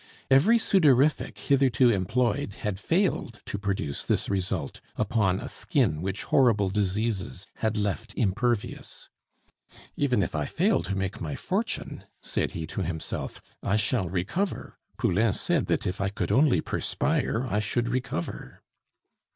Every sudorific hitherto employed had failed to produce this result upon a skin which horrible diseases had left impervious. "Even if I fail to make my fortune," said he to himself, "I shall recover. Poulain said that if I could only perspire I should recover."